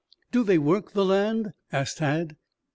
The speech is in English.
"Do they work the land?" asked Tad.